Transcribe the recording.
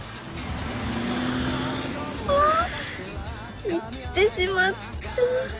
ああ言ってしまった！